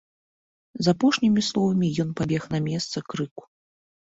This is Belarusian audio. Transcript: З апошнімі словамі ён пабег на месца крыку.